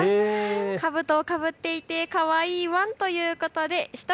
かぶとをかぶっていてかわいいワンということでしゅ